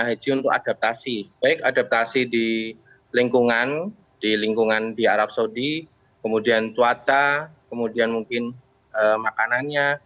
haji untuk adaptasi baik adaptasi di lingkungan di lingkungan di arab saudi kemudian cuaca kemudian mungkin makanannya